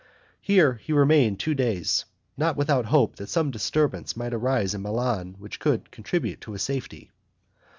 Here he remained two days, not without hope that some disturbance might arise in Milan which would contribute to his safety.